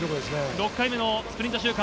６回目のスプリント周回。